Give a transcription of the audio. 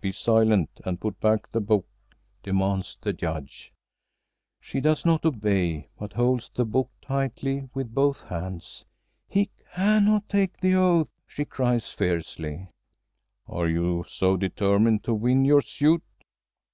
"Be silent, and put back the book!" demands the Judge. She does not obey, but holds the book tightly with both hands. "He cannot take the oath!" she cries fiercely. "Are you so determined to win your suit?"